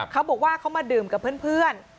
เขาบอกว่าเขามาดื่มกับเพื่อน